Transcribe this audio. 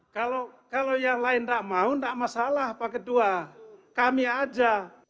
kalau yang lain tidak mau tidak masalah apa kedua kami aja